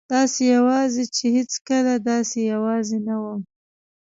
داسې یوازې چې هېڅکله داسې یوازې نه وم.